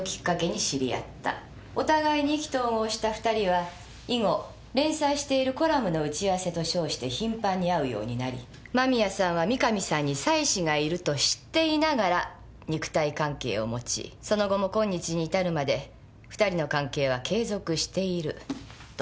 お互いに意気投合した二人は以後連載しているコラムの打ち合わせと称して頻繁に会うようになり間宮さんは三神さんに妻子がいると知っていながら肉体関係をもちその後も今日に至るまで二人の関係は継続している」と。